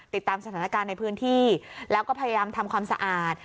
ติดตามสถานการณ์ในพื้นที่แล้วก็พยายามทำความสะอาด